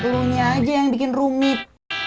dulunya aja yang bikin rumit